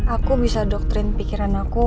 aku bisa doktrin pikiran aku